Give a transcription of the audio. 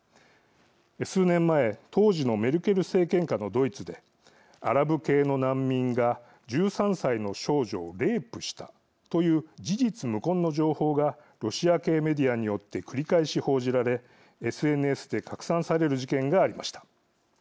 数年前、当時のメルケル政権下のドイツでアラブ系の難民が１３歳の少女をレイプしたという事実無根の情報がロシア系メディアによって繰り返し報じられＳＮＳで拡散される事件がありました。